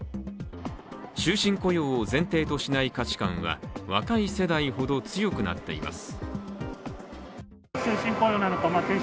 終身雇用を前提としない価値観は若い世代ほど強くなっています。